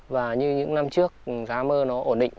và như những năm trước giá mơ nó ổn định